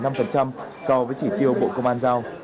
đạt một trăm một mươi năm so với chỉ tiêu bộ công an giao